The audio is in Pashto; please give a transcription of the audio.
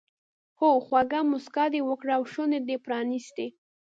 هو خوږه موسکا دې وکړه او شونډې دې پرانیستې.